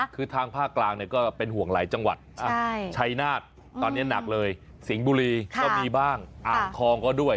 คือทางภาคกลางก็เป็นห่วงไหลจังหวัดไชนาศตอนนี้หนักเลยสิงค์บูรีก็มีบ้างของก็ด้วย